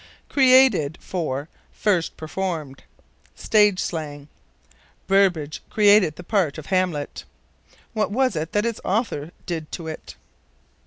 Created for First Performed. Stage slang. "Burbage created the part of Hamlet." What was it that its author did to it?